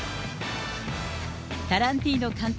タランティーノ監督